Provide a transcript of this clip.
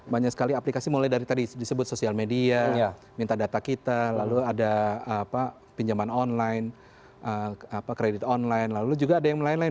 banyak sekali aplikasi mulai dari tadi disebut sosial media minta data kita lalu ada pinjaman online kredit online lalu juga ada yang lain lain